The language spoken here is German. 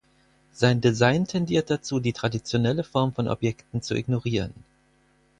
Sein Design tendiert dazu die traditionelle Form von Objekten zu ignorieren.